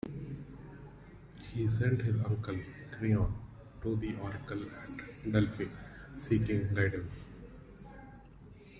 He sent his uncle, Creon, to the Oracle at Delphi, seeking guidance.